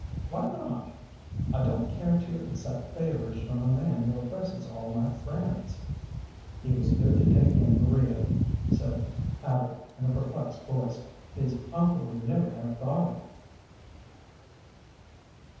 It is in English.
"Why not?" "I don't care to accept favors from a man who oppresses all my friends!" "He was good to take in Maria," said Abby, in a perplexed voice. "His uncle would never have thought of it."